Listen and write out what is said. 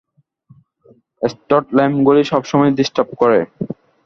স্ট্রট ল্যাম্পগুলি সব সময় ডিসটর্ব করে।